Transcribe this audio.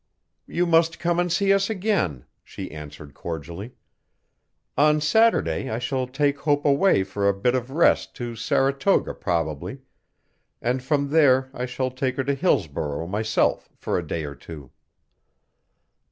'You must come and see us again,' she answered cordially. 'On Saturday I shall take Hope away for a bit of rest to Saratoga probably and from there I shall take her to Hillsborough myself for a day or two.